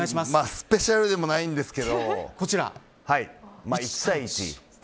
スペシャルでもないんですけど１対１。